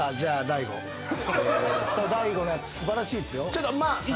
大悟のやつ素晴らしいっすよ。